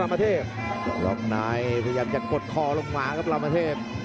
พยายามจะกดคอลงหมาครับรามเทพ